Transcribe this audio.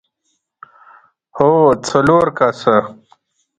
هو، څلور کسه!